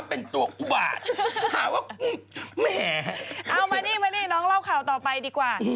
เอ้ามานี่น้องเล่าข่าวต่อไปดีกว่า